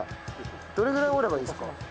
どれぐらい折ればいいんですか？